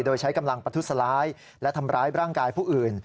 โดยใช้กำลังประทุษร้ายและทำร้ายร่างกายผู้อื่น